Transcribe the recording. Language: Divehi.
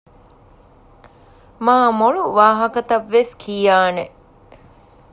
މާމޮޅު ވާހަކަތައްވެސް ކިޔާނެ